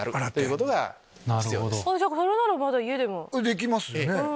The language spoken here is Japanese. できますよね。